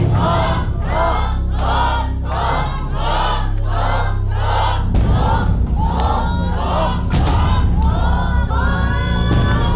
หัว